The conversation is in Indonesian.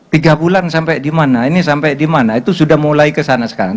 tiga bulan sampai dimana ini sampai dimana itu sudah mulai kesana sekarang